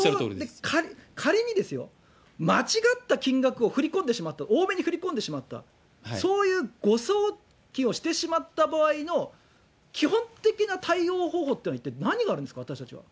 仮に、間違った金額を振り込んでしまった、多めに振り込んでしまった、そういう誤送金をしてしまった場合の基本的な対応方法っていうのは、一体何があるんですか、私たちは。